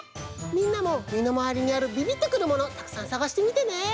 みんなもみのまわりにあるビビッとくるものたくさんさがしてみてね！